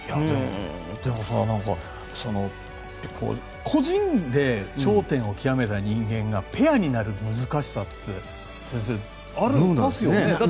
でも個人で頂点を極めた人間がペアになる難しさって先生、どうなんですかね。